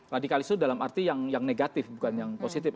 radikalis itu dalam arti yang negatif bukan yang positif